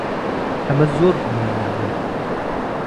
ئەمە زۆر گوماناوییە.